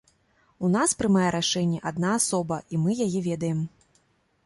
У нас прымае рашэнні адна асоба, і мы яе ведаем.